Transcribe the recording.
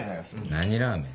何ラーメン？